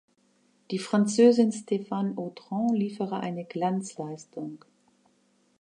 Die Französin Stephane Audran liefere eine Glanzleistung.